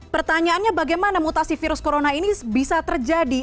pertanyaannya bagaimana mutasi virus corona ini bisa terjadi